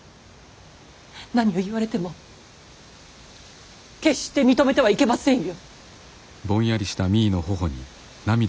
何を言われても決して認めてはいけませんよ。